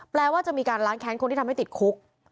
ว่าจะมีการล้างแค้นคนที่ทำให้ติดคุก